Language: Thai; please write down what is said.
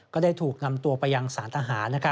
ก็ได้ถูกนำตัวไปยังสารทหาร